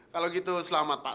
kalau gitu selamat pak